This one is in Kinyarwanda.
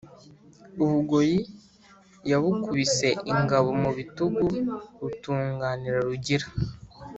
U Bugoyi yabukubise ingabo mu bitugu butunganira Rugira